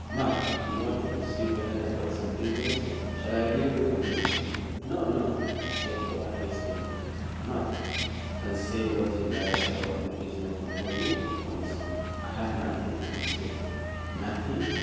Mark, you wanted to see Bernard about some business. Shall I leave the room?" "No, no!" said Gore, hastily. "Mark can say what he likes about my business before you, Conniston. I have nothing to conceal." "Nothing?"